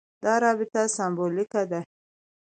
دا رابطه سېمبولیکه ده.